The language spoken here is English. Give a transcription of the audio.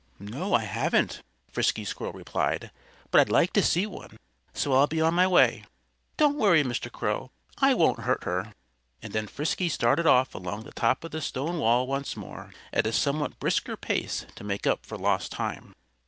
"No, I haven't," Frisky Squirrel replied, "but I'd like to see one. So I'll be on my way. But don't worry, Mr. Crow? I won't hurt her." And then Frisky started off along the top of the stone wall once more, at a somewhat brisker pace to make up for lost time.